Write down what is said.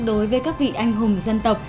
đối với các vị anh hùng dân tộc